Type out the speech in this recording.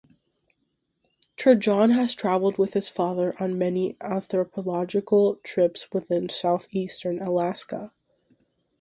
Trajan has traveled with his father on many anthropological trips within southeastern Alaska.